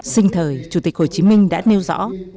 sinh thời chủ tịch hồ chí minh đã nêu rõ